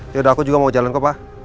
yaudah aku juga mau jalan ke pak